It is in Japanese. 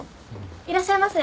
いらっしゃいませ。